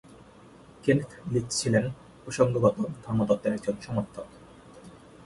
Kenneth Leech ছিলেন প্রসঙ্গগত ধর্মতত্ত্বের একজন সমর্থক।